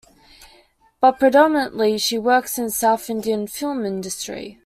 But predominatly she works in South Indian film industry.